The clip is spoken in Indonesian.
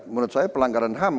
menurut saya pelanggaran ham